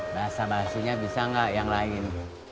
bahasa bahasanya bisa nggak yang lain